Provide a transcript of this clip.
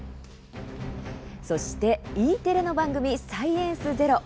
そしてＥテレの番組「サイエンスＺＥＲＯ」。